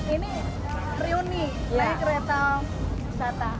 ini reuni naik kereta wisata